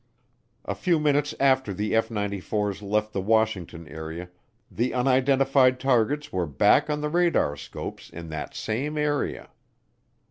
A few minutes after the F 94's left the Washington area, the unidentified targets were back on the radarscopes in that same area.